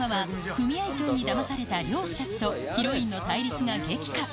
第２話はにだまされた漁師たちと、ヒロインの対立が激化。